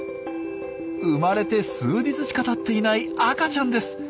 生まれて数日しかたっていない赤ちゃんです。